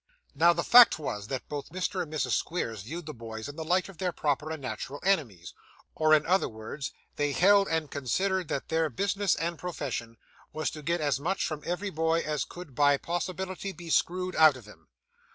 Now, the fact was, that both Mr. and Mrs. Squeers viewed the boys in the light of their proper and natural enemies; or, in other words, they held and considered that their business and profession was to get as much from every boy as could by possibility be screwed out of him.